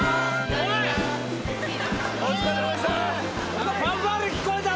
・お疲れさまでした！